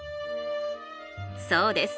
そうです